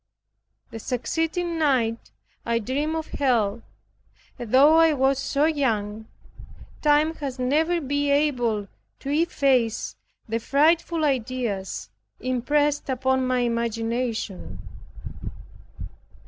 The succeeding night I dreamed of Hell, and though I was so young, time has never been able to efface the frightful ideas impressed upon my imagination.